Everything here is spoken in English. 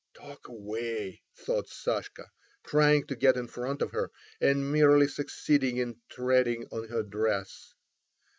"Talk away!" thought Sashka, trying to get in front of her, and merely succeeding in treading on her dress.